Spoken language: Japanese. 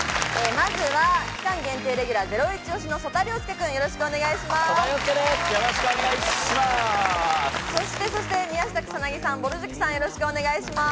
まずは期間限定レギュラー、ゼロイチ推しの曽田陵介君、よろしくお願いします。